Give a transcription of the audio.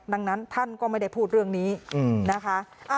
ดังนั้นท่านก็ไม่ได้พูดเรื่องนี้นะคะ